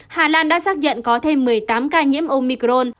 hà lan đã xác nhận có thêm một mươi tám ca nhiễm omicron